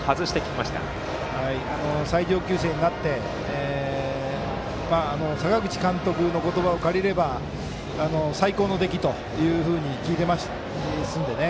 最上級生になって阪口監督の言葉を借りれば最高の出来というふうに聞いていますので。